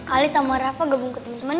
ali sama rafa gabung ke temen temen